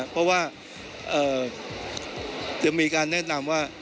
เพราะว่าจะมีการแนะนำว่า